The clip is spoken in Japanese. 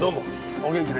お元気で。